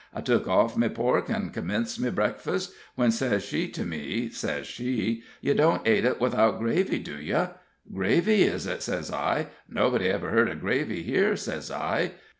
I tuk off me pork, and comminced me breakfast, when sez she to me, sez she, 'Ye don't ate it widout gravy, do ye?' 'Gravy, is it?' sez I. 'Nobody iver heard of gravy here,' sez I.